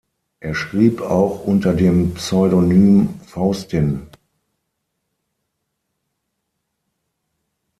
Er schrieb auch unter dem Pseudonym "Faustin".